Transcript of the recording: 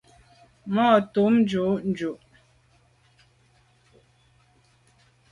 Ma’ ntùm jujù.